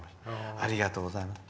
ありがとうございます。